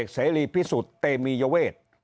เสรีผิดสุธเตมียเวท